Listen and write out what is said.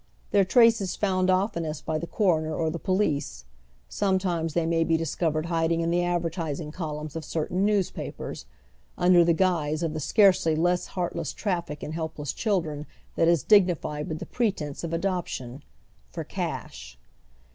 Their trace is found oftenest by the coroner or the police ; sometimes they may be discovered hiding in the advertis ing columns of certain newspapers, under the guise of the scarcely less heartless traffic in helpless children that is dignified with the pretence of adoption — for cash.